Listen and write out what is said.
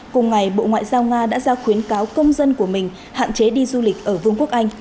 cùng ngày bộ ngoại giao nga đã ra khuyến cáo công dân của mình hạn chế đi du lịch ở vương quốc anh